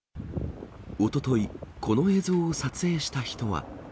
おととい、この映像を撮影した人は。